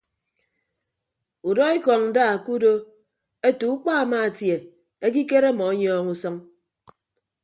Udọ ekọñ nda ke udo ete ukpa amaatie ekikere ọmọ ọnyọọñ usʌñ.